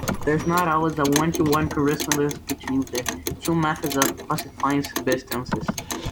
There is not always a one-to-one correspondence between the two methods of classifying substances.